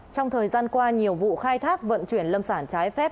trong thời gian qua nhiều vụ khai thác vận chuyển lâm sản trái phép